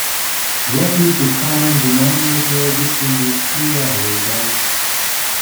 What is the common denominator between these two variables?